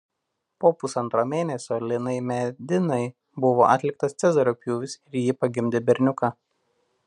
Po pusantro mėnesio Linai Medinai buvo atliktas Cezario pjūvis ir ji pagimdė berniuką.